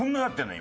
今。